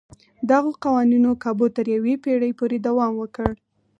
دغو قوانینو کابو تر یوې پېړۍ پورې دوام وکړ.